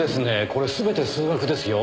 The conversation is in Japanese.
これ全て数学ですよ。